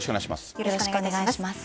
よろしくお願いします。